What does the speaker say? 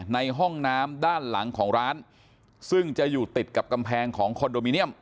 ในห้องน้ำด้านหลังของร้านซึ่งจะอยู่ติดกับกำแพงของคอนโดมิเนียม